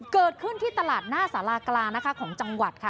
เกิดขึ้นที่ตลาดหน้าสารากลางนะคะของจังหวัดค่ะ